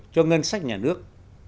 cho ngân sách nhà nước